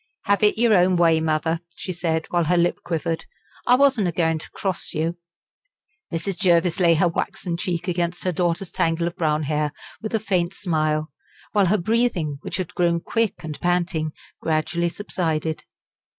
"Have it your own way, mother," she said, while her lip quivered; "I wasn't a goin' to cross you." Mrs. Jervis laid her waxen cheek against her daughter's tangle of brown hair with a faint smile, while her breathing, which had grown quick and panting, gradually subsided.